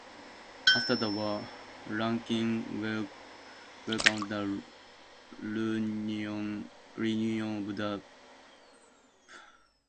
After the war, Rankin welcomed the reunion of the Presbyterian churches in Ripley.